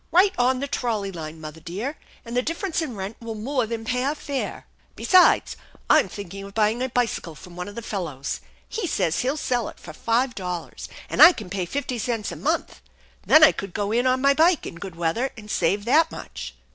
"Right on the trolley line, mother dear; and the differ ence in rent will more than pay our fare." "Besides, I'm thinking of buying a bicycle from one of the fellows. He says he'll sell it for five dollars, and I can pay fifty cents a month. Then I could go in on my bike in good weather, and save that much."